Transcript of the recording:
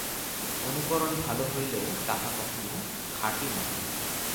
অনুকরণ ভাল হইলেও তাহা কখনও খাঁটি নহে।